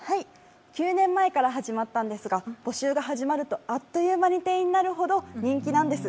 ９年前から始まったんですが募集が始まるとあっという間に定員になるほど人気なんです。